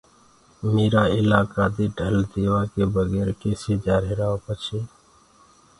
ميرآ الآڪآ دي ڍل ديوآڪي بگير ڪيسي جآهيرآئو پڇي